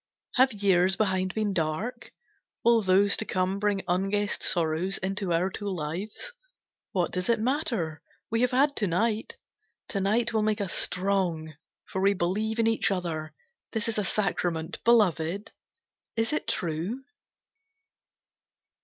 Have years behind been dark? Will those to come Bring unguessed sorrows into our two lives? What does it matter, we have had to night! To night will make us strong, for we believe Each in the other, this is a sacrament. Beloved, is it true?